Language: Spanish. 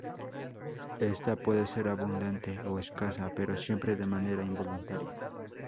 Ésta puede ser abundante o escasa, pero siempre de manera involuntaria.